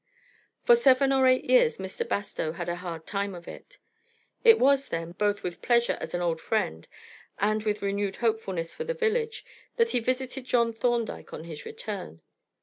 For seven or eight years Mr. Bastow had a hard time of it. It was, then, both with pleasure as an old friend, and with renewed hopefulness for the village, that he visited John Thorndyke on his return.